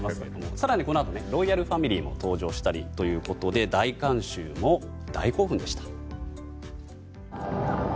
更にこのあとロイヤルファミリーも登場したりということで大観衆も大興奮でした。